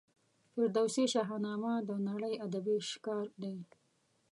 فردوسي شاهنامه د نړۍ ادبي شهکار دی.